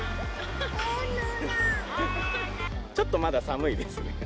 ちょっとまだ寒いですね。